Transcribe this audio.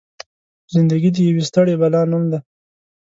زنده ګي د يوې ستړې بلا نوم دی.